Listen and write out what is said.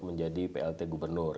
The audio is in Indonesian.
menjadi plt gubernur